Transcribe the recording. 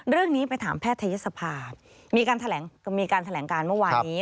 เรื่องนี้ไปถามแพทยศภามีการแถลงมีการแถลงการเมื่อวานนี้